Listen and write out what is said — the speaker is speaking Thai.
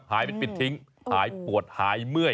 หายไปปิดทิ้งหายปวดหายเมื่อย